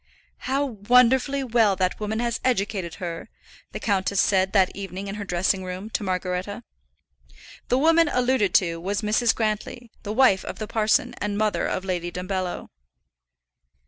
"How wonderfully well that woman has educated her," the countess said that evening in her dressing room, to Margaretta. The woman alluded to was Mrs. Grantly, the wife of the parson and mother of Lady Dumbello.